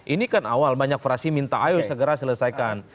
ini kan awal banyak fraksi minta ayo segera selesaikan